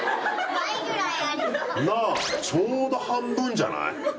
ちょうど半分じゃない？